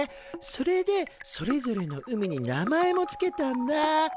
それでそれぞれの海に名前も付けたんだ。